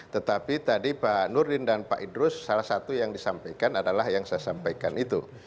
tetapi tadi pak nurdin dan pak idrus salah satu yang disampaikan adalah yang saya sampaikan itu